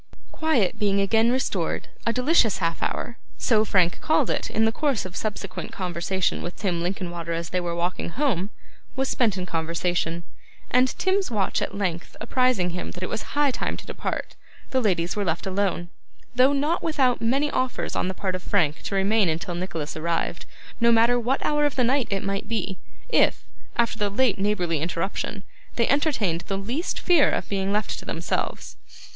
Quiet being again restored, a delicious half hour so Frank called it, in the course of subsequent conversation with Tim Linkinwater as they were walking home was spent in conversation, and Tim's watch at length apprising him that it was high time to depart, the ladies were left alone, though not without many offers on the part of Frank to remain until Nicholas arrived, no matter what hour of the night it might be, if, after the late neighbourly irruption, they entertained the least fear of being left to themselves.